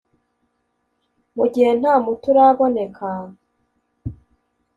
Mu gihe nta muti uraboneka